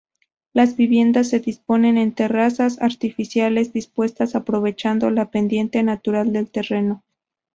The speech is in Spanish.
Las viviendas se disponen en terrazas artificiales, dispuestas aprovechando la pendiente natural del terreno.